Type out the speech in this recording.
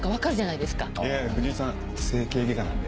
いやいや藤井さん整形外科なんで。